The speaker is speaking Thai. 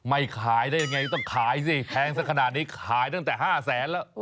ไม่ขายได้ยังไงต้องขายสิแพงสักขนาดนี้ขายตั้งแต่๕แสนแล้ว